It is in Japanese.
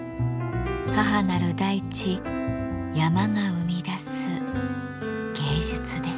母なる大地山が生み出す芸術です。